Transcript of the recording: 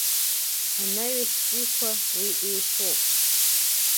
Анаҩстәиқәа уи еицәоуп.